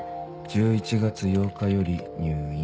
１１月８日より入院。